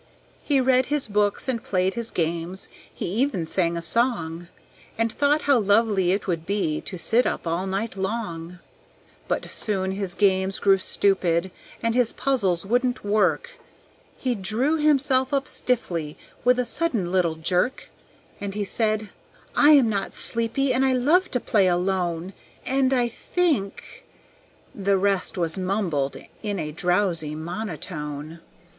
He read his books and played his games, he even sang a song And thought how lovely it would be to sit up all night long. But soon his games grew stupid, and his puzzles wouldn't work; He drew himself up stiffly with a sudden little jerk, And he said, "I am not sleepy, and I love to play alone And I think " the rest was mumbled in a drowsy monotone.